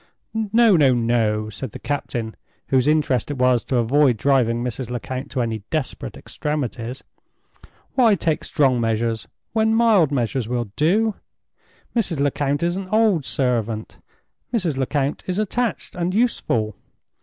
"No, no, no!" said the captain, whose interest it was to avoid driving Mrs. Lecount to any desperate extremities. "Why take strong measures when mild measures will do? Mrs. Lecount is an old servant; Mrs. Lecount is attached and useful.